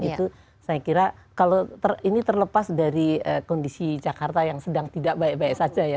itu saya kira kalau ini terlepas dari kondisi jakarta yang sedang tidak baik baik saja ya